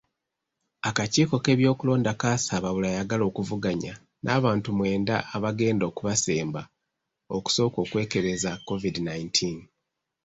Akakiiko k'ebyokulonda kaasaba buli ayagala okuvuganya n'abantu mwenda abagenda okubasemba okusooka okwekebeza Covid nineteen.